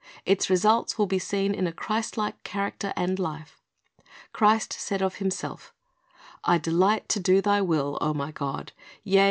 Its results will be seen in a Christlike character and life. Christ said of Himself, "I delight to do Thy will, O My God; yea.